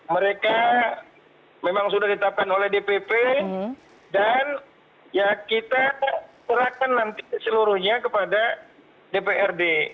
mereka memang sudah ditetapkan oleh dpp dan ya kita serahkan nanti seluruhnya kepada dprd